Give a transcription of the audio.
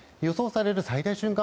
予想される最大瞬間